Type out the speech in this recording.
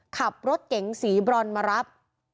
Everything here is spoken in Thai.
ขับรถเก๋งสีบรอนมารับ